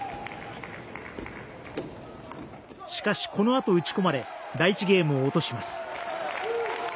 しかし、このあと、打ち込まれ第１ゲームを落とします。